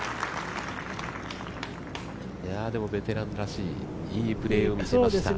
でもベテランらしいいいプレーをしました。